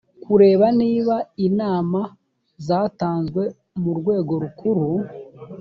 kureba niba inama zatanzwe mu rwego rukuru